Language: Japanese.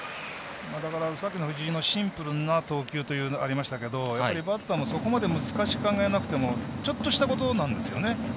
さっきの藤井のシンプルな投球というのがありましたがバッターもそこまで難しく考えなくてもちょっとしたことなんですよね。